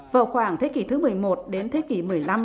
vào khoảng thế kỷ thứ một mươi một đến thế kỷ một mươi năm